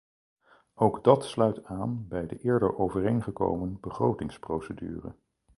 Ook dat sluit aan bij de eerder overeengekomen begrotingsprocedure.